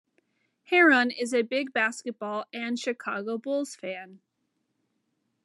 Herron is a big basketball and Chicago Bulls fan.